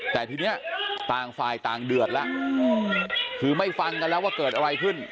แต่ทีนี้ต่างฝ่ายต่างเดือดแล้วคือไม่ฟังกันแล้วว่าเกิดอะไรขึ้น